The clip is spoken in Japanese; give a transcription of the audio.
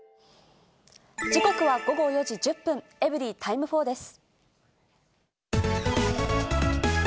時刻は午後４時１０分、エブリィタイム４です。